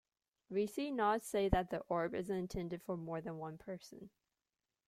We see Nod say that the orb isn't intended for more than one person.